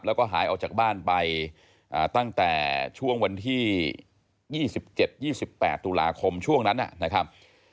แล้วก็หายออกจากบ้านไปตั้งแต่ช่วงวันที่๒๗๒๘ตุลาคมช่วงนั้นนะครับ